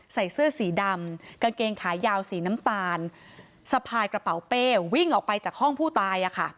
ใส่เสื้อสีดำกางเกงขายาวสีน้ำตาลสะพายกระเป๋าเป้วิ่งออกไปจากห้องผู้ตาย